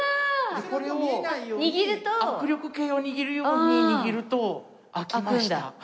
これを握力計を握るように握ると開きました。